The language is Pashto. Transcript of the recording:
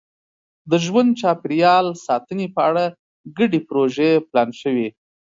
د ژوند چاپېریال ساتنې په اړه ګډې پروژې پلان شوي.